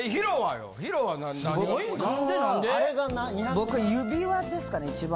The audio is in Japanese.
僕指輪ですかね一番。